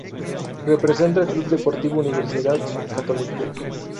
Representa al Club Deportivo Universidad Católica.